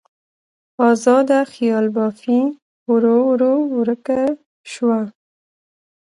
ازاده خیال بافي ورو ورو ورکه شوه.